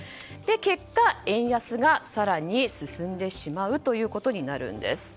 結果、円安が更に進んでしまうことになるんです。